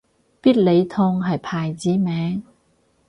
必理痛係牌子名